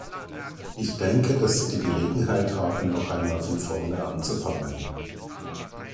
Ich denke, dass Sie die Gelegenheit haben, noch einmal von vorne anzufangen.